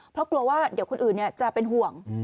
เพราะกลัวว่าเดี๋ยวคนอื่นจะเป็นห่วง